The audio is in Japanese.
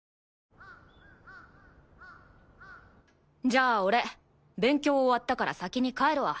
じゃあ俺勉強終わったから先に帰るわ。